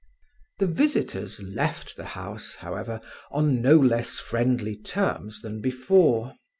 The visitors left the house, however, on no less friendly terms than before.